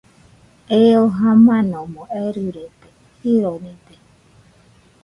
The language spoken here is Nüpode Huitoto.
Eo jamanomo erɨrede, jironide